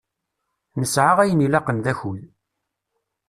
Nesεa ayen ilaqen d akud.